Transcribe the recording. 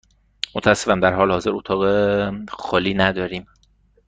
متأسفم، در حال حاضر اتاق خالی نداریم.